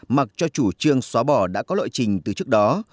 mặc cho chủ trương xóa bỏ đã có lộ trình từ trước đó